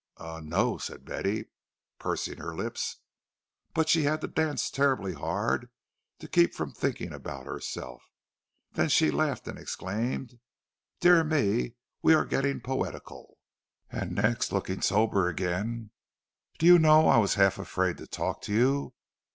"Um—no," said Betty, pursing her lips. "But she had to dance terribly hard to keep from thinking about herself." Then she laughed, and exclaimed, "Dear me, we are getting poetical!" And next, looking sober again, "Do you know, I was half afraid to talk to you.